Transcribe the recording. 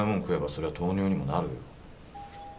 そりゃ糖尿にもなるよ。